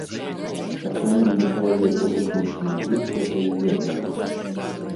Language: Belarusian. А чаму не чалавека выключна блізкага і вернага?